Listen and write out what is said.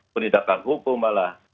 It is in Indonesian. penindakan hukum malah